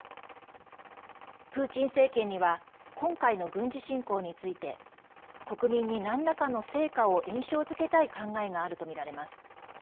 プーチン政権には今回の軍事侵攻について国民に、なんらかの成果を印象づけたい考えがあるとみられます。